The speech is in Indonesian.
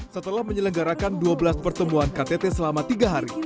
setelah menyelenggarakan dua belas pertemuan ktt selama tiga hari